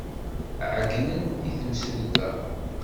Ɛeyynen i temsulta.